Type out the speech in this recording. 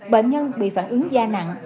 bệnh nhân bị phản ứng da nặng